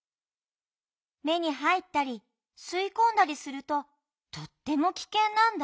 目にはいったりすいこんだりするととってもきけんなんだ。